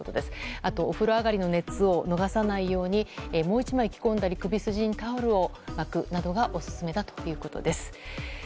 あとお風呂上がりの熱を逃さないようにもう１枚、着込んだり首筋にタオルを巻くなどがオススメだということです。